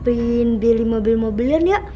bu pengen beli mobil mobilan ya